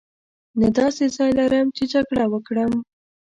نه داسې ځای لرم چې جګړه وکړم.